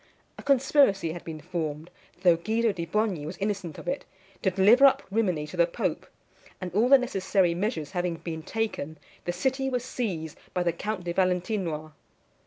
A conspiracy had been formed, though Guido di Bogni was innocent of it, to deliver up Rimini to the pope; and all the necessary measures having been taken, the city was seized by the Count de Valentinois.